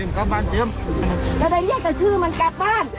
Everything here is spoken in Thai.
ไม่ได้เดินออกครับ